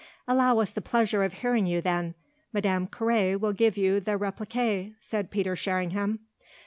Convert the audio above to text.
"Allow us the pleasure of hearing you then. Madame Carré will give you the réplique," said Peter Sherringham.